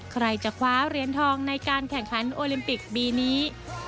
ใครจะคว้าเหรียญทองในการแข่งขันโอลิมปิกปีนี้